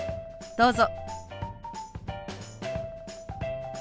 どうぞ。